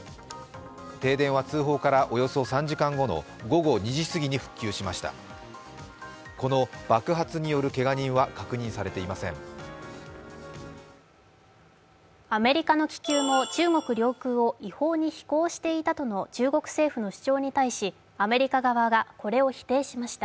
停電は通報からおよそ３時間後の午後２時すぎに復旧しました。